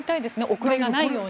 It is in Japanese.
遅れもないように。